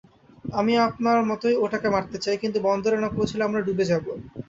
আমিও আপনার মতোই ওটাকে মারতে চাই, কিন্তু বন্দরে না পৌঁছালে আমরা ডুবে যাব।